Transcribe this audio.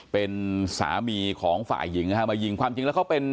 เป็นสามีฝ่ายหญิงมายิง